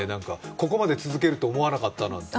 ここまで続けると思わなかったなんて。